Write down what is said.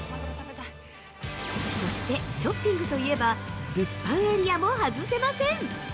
そして、ショッピングといえば「物販エリア」も外せません！